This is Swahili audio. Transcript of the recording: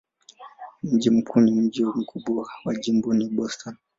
Mji mkuu na mji mkubwa wa jimbo ni Boston.